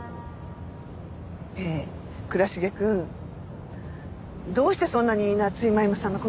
ねえ倉重くんどうしてそんなに夏井真弓さんの事を？